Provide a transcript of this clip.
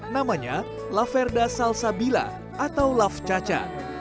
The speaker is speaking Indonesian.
namanya laverda salsabila atau laf caca